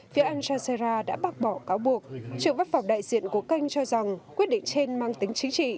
phía al jazsea đã bác bỏ cáo buộc trưởng văn phòng đại diện của kênh cho rằng quyết định trên mang tính chính trị